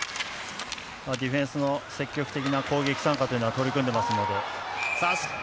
ディフェンスの積極的な攻撃参加というのは取り組んでいますので。